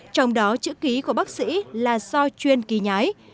trong đó chữ ký của bác sĩ là do chuyên ký nhái